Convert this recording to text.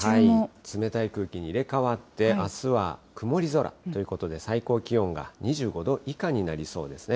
冷たい空気に入れ代わって、あすは曇り空ということで、最高気温が２５度以下になりそうですね。